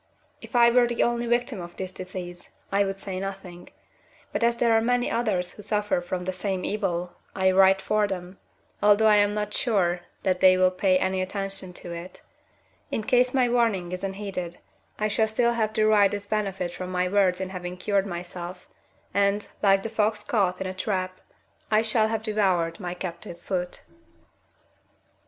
If I were the only victim of this disease, I would say nothing, but as there are many others who suffer from the same evil, I write for them, although I am not sure that they will pay any attention to it; in case my warning is unheeded, I shall still have derived this benefit from my words in having cured myself, and, like the fox caught in a trap, I shall have devoured my captive foot.